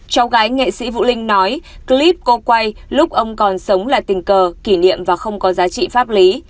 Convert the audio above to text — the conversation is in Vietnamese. cháu gái nghệ sĩ vũ linh nói clip cô quay lúc ông còn sống là tình cờ kỷ niệm và không có giá trị pháp lý